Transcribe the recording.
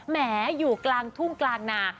แหมอยู่กลางทุ่งกลางนา